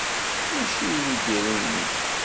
Mačči d lbiru-inek.